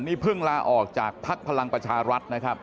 นี่เพิ่งลาออกจากภักดิ์พลังประชารัฐนะครับ